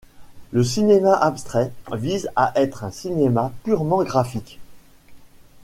Le cinéma abstrait vise à être un cinéma purement graphique.